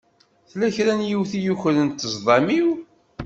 Tella kra n yiwet i yukren ṭṭezḍam-iw.